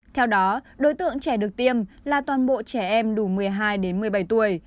theo đó đối tượng trẻ được tiêm là toàn bộ trẻ em đủ một mươi hai đến một mươi bảy tuổi